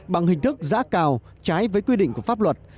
bằng hình thức giã cào trái với quy định của pháp luật